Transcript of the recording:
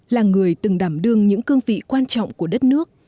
là người từng đảm đương những cương vị quan trọng của đất nước